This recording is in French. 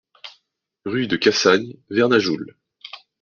Rue de Cassagne, Vernajoul